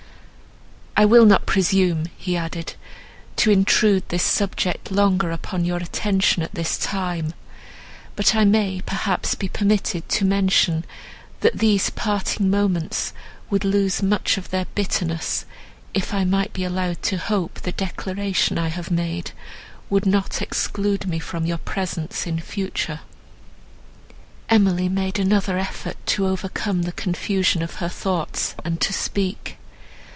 "I will not presume," he added, "to intrude this subject longer upon your attention at this time, but I may, perhaps, be permitted to mention, that these parting moments would lose much of their bitterness if I might be allowed to hope the declaration I have made would not exclude me from your presence in future." Emily made another effort to overcome the confusion of her thoughts, and to speak.